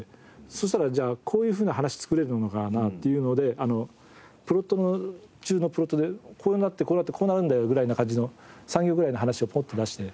そしたらじゃあこういうふうな話作れるのかなっていうのでプロット中のプロットでこうなってこうなってこうなるんだよぐらいな感じの３行ぐらいの話をポッと出して。